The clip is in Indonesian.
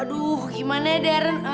aduh gimana ya darren